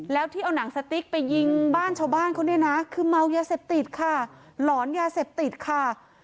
แล้วที่เอาหนังสติ๊กไปยิงบ้านชาวบ้านเขาเนี่ยนะคือเมายาเสพติดค่ะหลอนยาเสพติดค่ะ